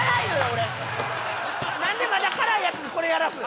俺なんでまだ辛いやつにこれやらす？